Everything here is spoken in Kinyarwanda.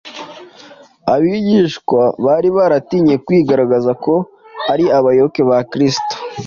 Abigishwa bari baratinye kwigaragaza ko ari abayoboke ba Kristo,